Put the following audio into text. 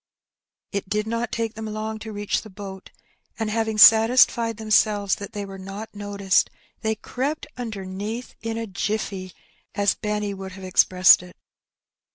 It did not take them long to reach the boat ; and having satisfied themselves that they were not noticed, they crept imdemeath in a ^^jilBTey," as Benny would have expressed it.